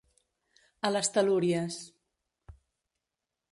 A les talúries.